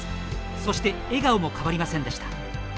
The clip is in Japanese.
そして笑顔も変わりませんでした。